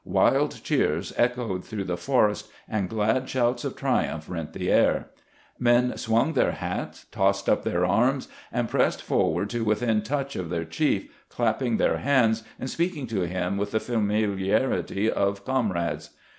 Wild cheers echoed through the forest, and glad shouts of triumph rent the air. Men swung their hats, tossed up their arms, and pressed forward to within touch of their chief, clapping their hands, and speaking to him with the familiarity of comrades.